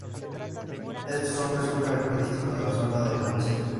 Estos hombres son característicos de la zona de la meseta.